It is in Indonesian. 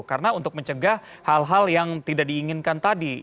karena untuk mencegah hal hal yang tidak diinginkan tadi